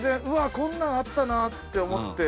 こんなんあったなって思って。